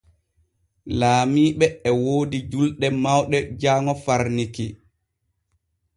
Laamiiɓe e woodi julɗe mawɗe jaaŋo far Niki.